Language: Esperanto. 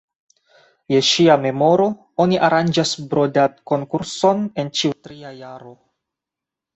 Je ŝia memoro oni aranĝas brodad-konkurson en ĉiu tria jaro.